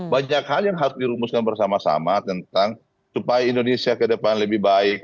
banyak hal yang harus dirumuskan bersama sama tentang supaya indonesia ke depan lebih baik